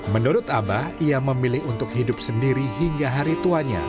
menurut abah ia memilih untuk hidup sendiri hingga hari tuanya